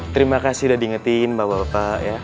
terima kasih udah diingetin mbak mbak bapak ya